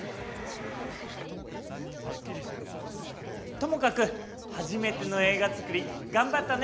ともかくはじめての映画作りがんばったね